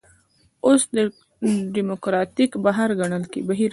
اوس یو ډیموکراتیک بهیر ګڼل کېږي.